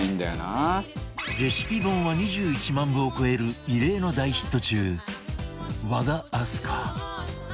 レシピ本は２１万部を超える異例の大ヒット中和田明日香